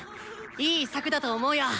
いい策だと思うよ！